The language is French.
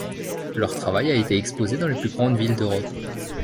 Leur travail a été exposé dans les plus grandes villes d'Europe.